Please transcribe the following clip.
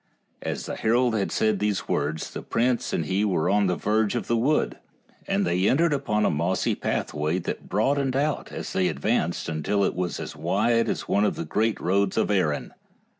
As the herald had said these words the prince and he were on the verge of the wood, and they entered upon a mossy pathway that broadened out as they advanced until it was as wide as one of the great roads of Erin.